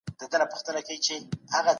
نړیوال پلاوي جرګې ته ولي راځي؟